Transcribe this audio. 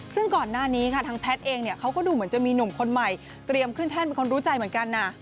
ซึ่งก่อนหน้านี้ค่ะทางแพทย์เองเนี่ยเขาก็ดูเหมือนจะมีหนุ่มคนใหม่เตรียมขึ้นแท่นเป็นคนรู้ใจเหมือนกันนะ